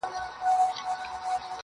ما دا څه عمرونه تېر کړله بېځایه-